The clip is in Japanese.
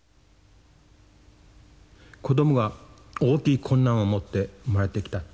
子どもが大きい困難をもって生まれてきた。